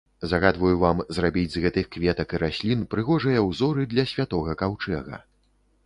Загадваю вам зрабіць з гэтых кветак і раслін прыгожыя ўзоры для святога каўчэга.